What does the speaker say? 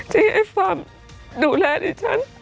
ที่ให้ฟังดูแลดิฉัน